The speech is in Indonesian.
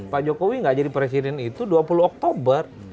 pak jokowi nggak jadi presiden itu dua puluh oktober